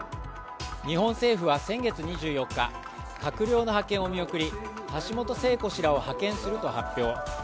日本政府は先月２４日、閣僚の派遣を見送り、橋本聖子氏らを派遣すると発表。